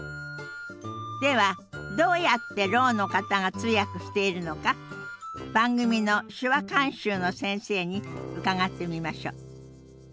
ではどうやってろうの方が通訳しているのか番組の手話監修の先生に伺ってみましょう。